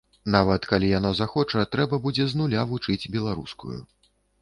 Нават калі яно захоча, трэба будзе з нуля вучыць беларускую.